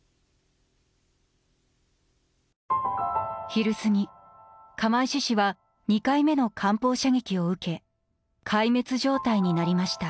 昼過ぎ釜石市は２回目の艦砲射撃を受け壊滅状態になりました。